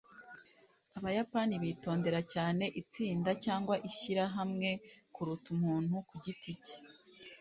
abayapani bitondera cyane itsinda cyangwa ishyirahamwe kuruta umuntu ku giti cye